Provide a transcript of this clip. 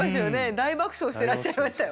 大爆笑してらっしゃいましたよ。